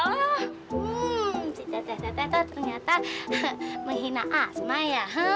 hmm si teteh teteh tuh ternyata menghina asma ya